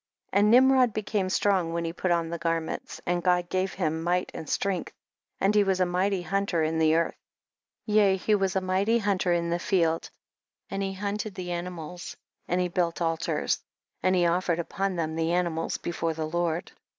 And Nimrod became strong when he put on the garments, and God gave him might and strength, and he was a mighty hunter in the earth, yea, he was a mighty hunter in the field, and he hunted the ani THE BOOK OF JASHER. 17 mals and he built altars, and he of fered upon them the animals before the Lord.